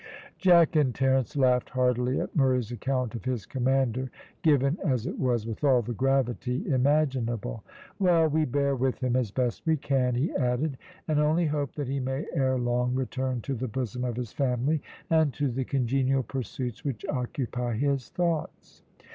Jack and Terence laughed heartily at Murray's account of his commander, given as it was with all the gravity imaginable. "Well, we bear with him as best we can," he added, "and only hope that he may ere long return to the bosom of his family, and to the congenial pursuits which occupy his thoughts."